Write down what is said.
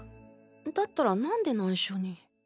だったら何で内緒に。